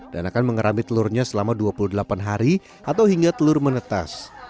dan akan mengerami telurnya selama dua puluh delapan hari atau hingga telur menetes